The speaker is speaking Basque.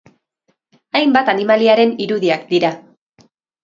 Hainbat animaliaren irudiak dira.